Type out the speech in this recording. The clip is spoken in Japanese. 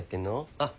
あっ。